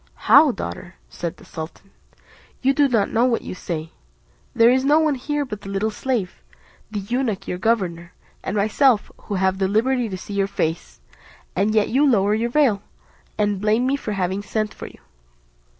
"How, daughter!" said the sultan, "you do not know what you say: there is no one here, but the little slave, the eunuch your governor, and myself, who have the liberty to see your face; and yet you lower your veil, and blame me for having sent for you."